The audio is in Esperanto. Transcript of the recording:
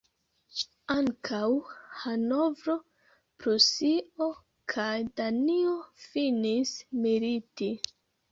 Ankaŭ Hanovro, Prusio kaj Danio finis militi.